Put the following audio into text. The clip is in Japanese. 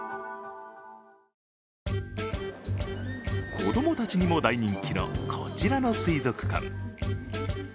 子供たちにも大人気のこちらの水族館。